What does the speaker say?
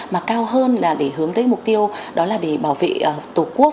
mà cao hơn là để hướng tới mục tiêu đó là để bảo vệ tổ quốc